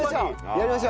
やりましょう。